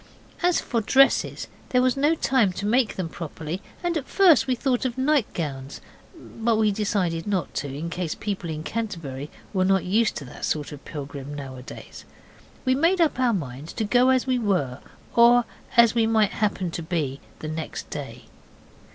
As for dresses, there was no time to make them properly, and at first we thought of nightgowns; but we decided not to, in case people in Canterbury were not used to that sort of pilgrim nowadays. We made up our minds to go as we were or as we might happen to be next day.